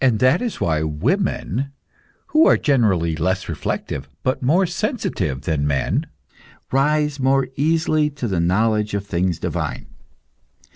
That is why women, who, generally, are less reflective but more sensitive than men, rise more easily to the knowledge of things divine.